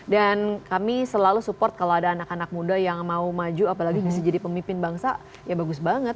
dan kami selalu support kalau ada anak anak muda yang mau maju apalagi bisa jadi pemimpin bangsa ya bagus banget